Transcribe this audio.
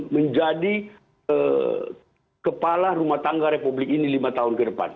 menjadi kepala rumah tangga republik ini lima tahun ke depan